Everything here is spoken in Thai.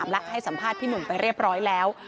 และให้สัมภาษณ์พี่หนุ่มไปเรียบร้อยแล้ว